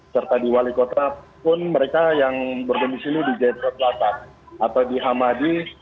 serta di wali kota pun mereka yang berbunyi di sini di jaitra selatan atau di hamadi